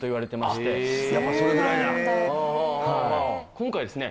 今回ですね